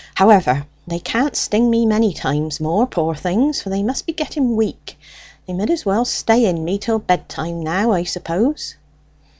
However, they can't sting me many times more, poor things, for they must be getting weak. They mid as well stay in me till bedtime now, I suppose."